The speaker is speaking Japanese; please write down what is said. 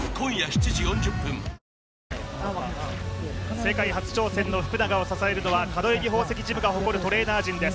世界初挑戦の福永を支えるのが角海老宝石ジムが誇るトレーナー陣です。